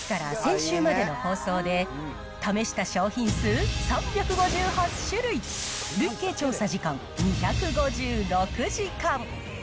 ことしの１月から先週までの放送で、試した商品数３５８種類、累計調査時間２５６時間。